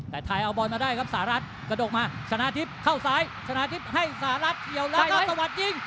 ละถ่ายเอาบอลมาได้ครับสหรัฐกระดกมาชนะทริพเข้าซ้ายชนะทริพให้สหรัฐเที่ยวแล้วก็สวัสดี